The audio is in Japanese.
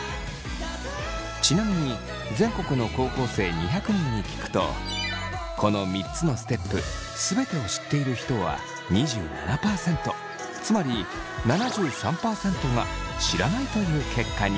ちなみに全国の高校生２００人に聞くとこの３つのステップ全てを知っている人は２７％つまり７３％が知らないという結果に。